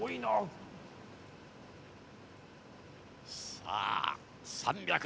さあ３００